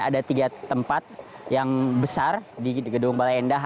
ada tiga tempat yang besar di gedung balai endah